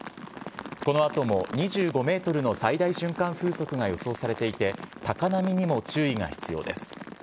このあとも２５メートルの最大瞬間風速が予想されていて、高波にも注意が必要です。